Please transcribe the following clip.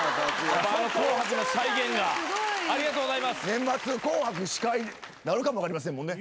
年末の『紅白』の司会なるかもわかりませんもんね。